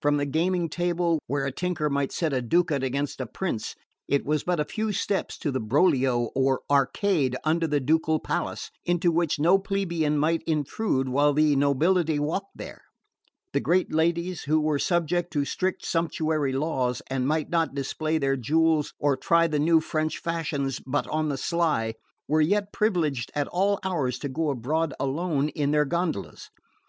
From the gaming table where a tinker might set a ducat against a prince it was but a few steps to the Broglio, or arcade under the ducal palace, into which no plebeian might intrude while the nobility walked there. The great ladies, who were subject to strict sumptuary laws, and might not display their jewels or try the new French fashions but on the sly, were yet privileged at all hours to go abroad alone in their gondolas.